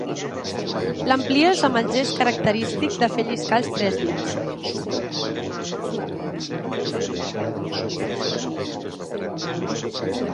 L'amplies amb el gest característic de fer lliscar els tres dits.